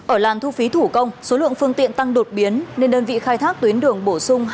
ở làn thu phí thủ công số lượng phương tiện tăng đột biến nên đơn vị khai thác tuyến đường bổ sung